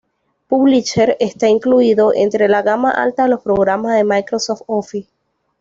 Publisher está incluido entre la gama alta de los programas de Microsoft Office.